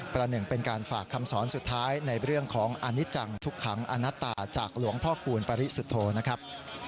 ประหนึ่งเป็นการฝากคำสอนสุดท้ายในเรื่องของอนิจังทุกขังอนัตตาจากหลวงพ่อคูณปริสุทธโธนะครับ